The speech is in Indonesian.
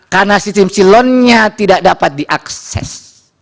karena sistem silonnya tidak dapat diakses